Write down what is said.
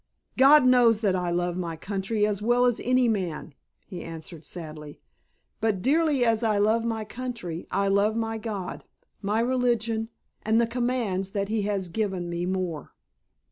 "God knows that I love my country as well as any man," he answered sadly. "But dearly as I love my country I love my God, my religion and the commands that He has given more."